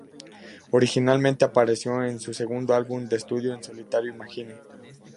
Originalmente apareció en su segundo álbum de estudio en solitario, "Imagine".